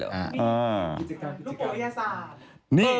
ลูกโป่งวิทยาศาสตร์